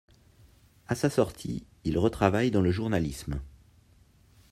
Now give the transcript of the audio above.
À sa sortie, il retravaille dans le journalisme.